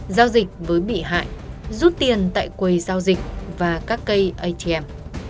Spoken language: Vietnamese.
giao dịch với bị hại rút tiền tại quầy giao dịch và các cây atm